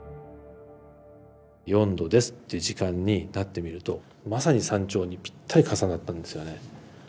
「４°です」っていう時間になってみるとまさに山頂にぴったり重なったんですよね。